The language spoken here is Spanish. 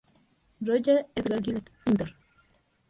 Roger Edgar Gillet, pintor.